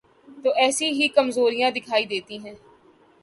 تو ایسی ہی کمزوریاں دکھائی دیتی ہیں۔